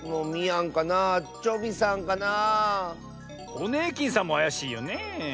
ホネーキンさんもあやしいよねえ。